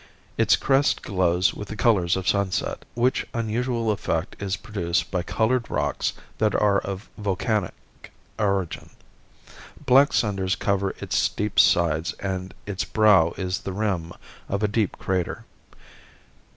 Its crest glows with the colors of sunset, which unusual effect is produced by colored rocks that are of volcanic origin. Black cinders cover its steep sides and its brow is the rim of a deep crater.